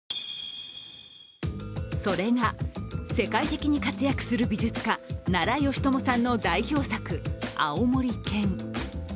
それが、世界的に活躍する美術家・奈良美智さんの代表作「あおもり犬」